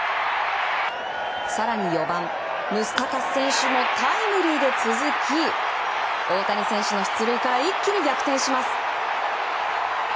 更に４番、ムスタカス選手もタイムリーで続き大谷選手の出塁から一気に逆転します。